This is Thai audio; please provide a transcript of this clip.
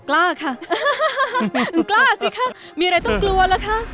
กล้าค่ะกล้าสิคะมีอะไรต้องกลัวล่ะคะ